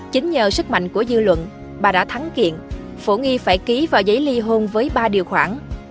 chính nhờ sức mạnh của dư luận bà đã thắng kiện phổ nghi phải ký vào giấy ly hôn với ba điều khoản